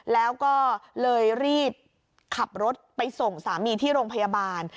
แล้วก็เลยรีบขับรถไปส่งสามีที่โรงพยาบาล